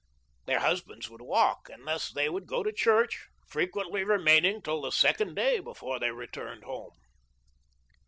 Their husbands would walk, and thus they would go to church, frequently re maining till the second day before they returned home."